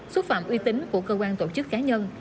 xúc phạm uy tín của cơ quan tổ chức cá nhân